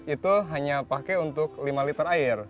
itu hanya pakai untuk lima liter air